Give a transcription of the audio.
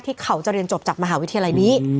เขาจะเรียนจบจากมหาวิทยาลัยนี้